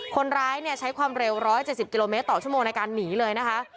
คนร้ายใช้ความเร็ว๑๗๐กิโลเมตรต่อชั่วโมงในการหนีเลยนะคะ